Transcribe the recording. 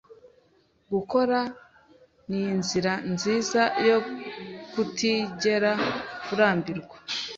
Gukora ninzira nziza yo kutigera urambirwa.